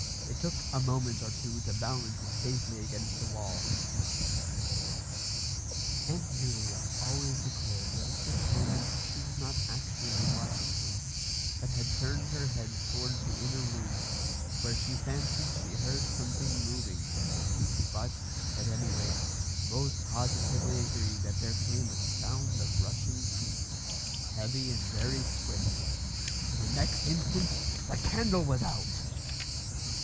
It took a moment or two to balance it safely against the wall. Aunt Julia always declared that at this moment she was not actually watching him, but had turned her head towards the inner room, where she fancied she heard something moving; but, at any rate, both positively agreed that there came a sound of rushing feet, heavy and very swift and the next instant the candle was out!